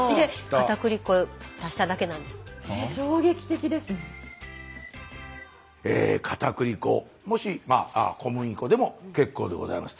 かたくり粉もしまあ小麦粉でも結構でございます。